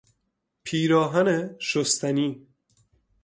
پیراهن شستنی